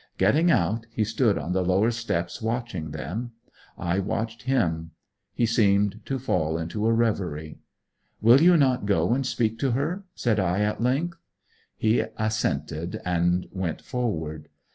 Getting out he stood on the lower steps watching them. I watched him. He seemed to fall into a reverie. 'Will you not go and speak to her?' said I at length. He assented, and went forward.